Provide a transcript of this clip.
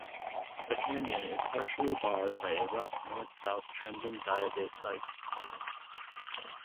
The Canyon is partially barred by a roughly north-south trending diabase dike.